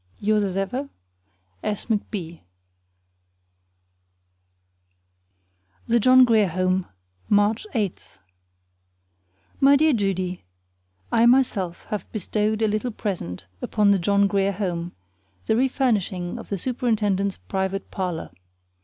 Yours as ever, S. McB. THE JOHN GRIER HOME, March 8. My dear Judy: I myself have bestowed a little present upon the John Grier Home the refurnishing of the superintendent's private parlor.